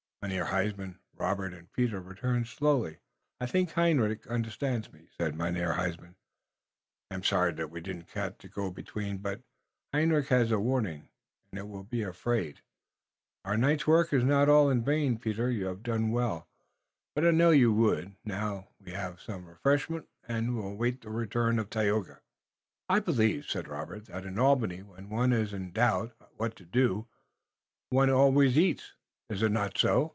Mynheer Huysman, Robert and Peter returned slowly. "I think Hendrik understands me," said Mynheer Huysman; "I am sorry that we did not catch the go between, but Hendrik hass had a warning, und he will be afraid. Our night's work iss not all in vain. Peter, you haf done well, but I knew you would. Now, we will haf some refreshment und await the return of Tayoga." "I believe," said Robert, "that in Albany, when one is in doubt what to do one always eats. Is it not so?"